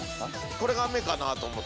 これが目かなと思って。